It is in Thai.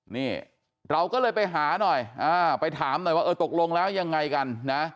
นี่เราก็เลยไปหาหน่อยไปถามหน่อยว่าเออตกลงแล้วยังไงกันนะ